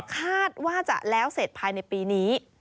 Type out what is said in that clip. คาดว่าจะแล้วเสร็จภายในปีนี้